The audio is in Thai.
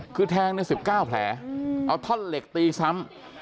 คือแทงใน๑๙แผลเอาท่อนเหล็กตีซ้ำ